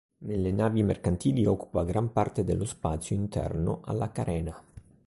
Nelle navi mercantili occupa gran parte dello spazio interno alla carena